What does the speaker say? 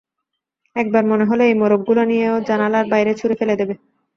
একবার মনে হল, এই মোড়কগুলো নিয়ে ও জানলার বাইরে ছুঁড়ে ফেলে দেবে।